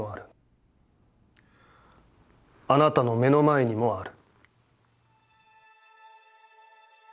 あなたの目の前にもある」。